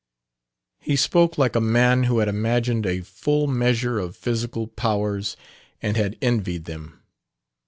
He spoke like a man who had imagined a full measure of physical powers and had envied them